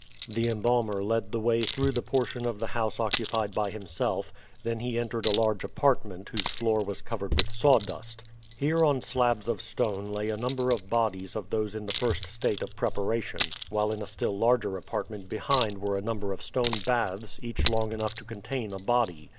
The embalmer led the way through the portion of the house occupied by himself, then he entered a large apartment whose floor was covered with sawdust. Here on slabs of stone lay a number of bodies of those in the first state of preparation, while in a still larger apartment behind were a number of stone baths each long enough to contain a body.